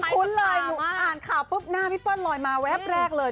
คุ้นเลยอ่านข่าวปุ๊บหน้าพี่เปิ้ลลอยมาแวบแรกเลย